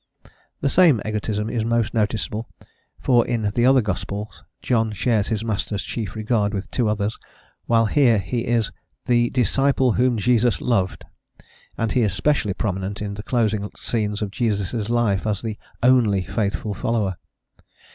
* Liddon. The same egotism is most noticeable, for in the other gospels John shares his master's chief regard with two others, while here he is "the disciple whom Jesus loved," and he is specially prominent in the closing scenes of Jesus' life as the only faithful follower.